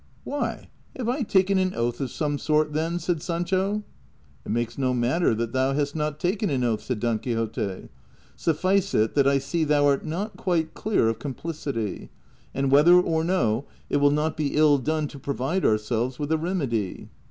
" Why ! have I taken an oath of some sort, then ?" said Sancho. '' It makes no matter that thou hast not taken an oath," said Don Quixote ;" suffice it that I see thou are not quite clear of complicity ; and whether or no, it will not be ill done to pro vide ourselves with a remedy."